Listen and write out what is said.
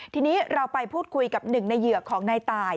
ทีนี้เราไปพูดคุยกับหนึ่งในเหยื่อของนายตาย